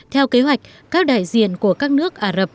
theo kế hoạch các đại diện của các nước ả rập